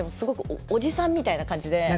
おじさんみたいな感じで。